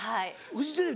フジテレビ